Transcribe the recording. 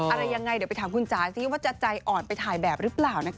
อะไรยังไงเดี๋ยวไปถามคุณจ๋าซิว่าจะใจอ่อนไปถ่ายแบบหรือเปล่านะคะ